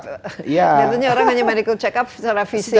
biasanya orang hanya melakukan check up secara fisik ya